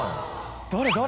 誰？